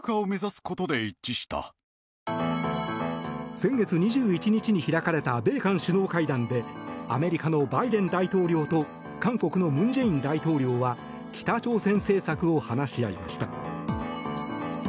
先月２１日に開かれた米韓首脳会談でアメリカのバイデン大統領と韓国の文在寅大統領は北朝鮮政策を話し合いました。